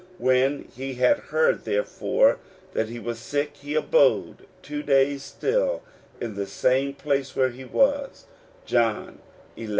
When he had heard therefore that he was sick, he abode two days still in the same place where he was" (John xi.